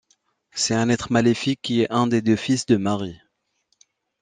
C'est un être maléfique qui est un des deux fils de Mari.